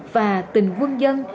và tình quân dân